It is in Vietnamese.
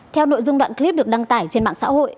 theo nội dung đoạn clip được đăng tải trên mạng xã hội